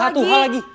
satu hal lagi